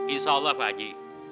insya allah pak haji